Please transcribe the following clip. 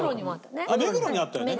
目黒にもあったね。